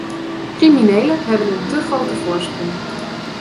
Criminelen hebben een te grote voorsprong.